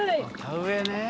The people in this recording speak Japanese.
田植えね。